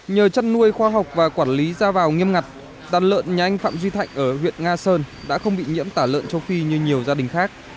nhờ chăn nuôi khoa học và quản lý ra vào nghiêm ngặt đàn lợn nhà anh phạm duy thạnh ở huyện nga sơn đã không bị nhiễm tả lợn châu phi như nhiều gia đình khác